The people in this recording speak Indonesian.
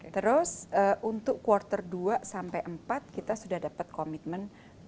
terus untuk kuartal dua sampai empat kita sudah dapat komitmen dua ratus sepuluh